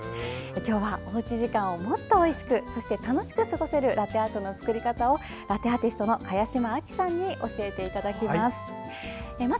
今日はおうち時間をもっとおいしくそして楽しく過ごせるラテアートの作り方をラテアーティストの茅島亜紀さんに教えていただきます。